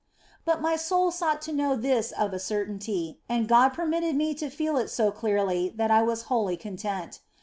But my soul sought to know this of a certainty, and God permitted me to feel it so clearly that I was wholly content.